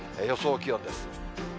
予想気温です。